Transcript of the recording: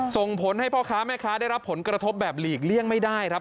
ส่งผลให้พ่อค้าแม่ค้าได้รับผลกระทบแบบหลีกเลี่ยงไม่ได้ครับ